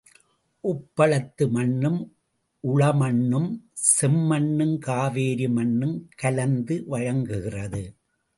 உப்பளத்து மண்ணும் உழமண்ணும் செம்மண்ணும் காவேரி மண்ணும் கலந்து வழங்குகிறது.